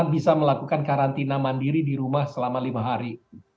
bisa melakukan karantina mandiri di rumah selama lima hari